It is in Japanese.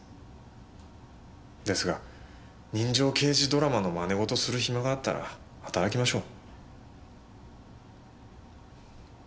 ですが人情刑事ドラマの真似事する暇があったら働きましょう。